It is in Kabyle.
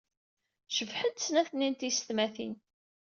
Cebḥent snat-nni n teysetmatin.